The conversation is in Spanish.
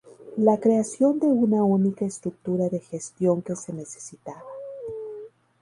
La creación de una única estructura de gestión que se necesitaba.